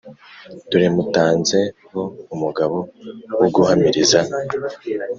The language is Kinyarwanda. Dore mutanze ho umugabo wo guhamiriza